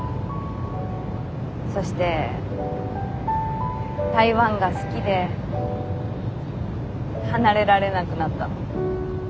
そして台湾が好きで離れられなくなったの。